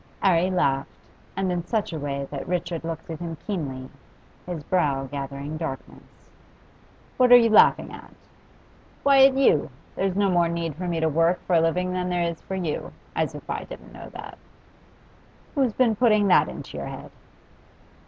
'Arry laughed, and in such a way that Richard looked at him keenly, his brow gathering darkness. 'What are you laughing at?' 'Why, at you. There's no more need for me to work for a living than there is for you. As if I didn't know that!' 'Who's been putting that into your head?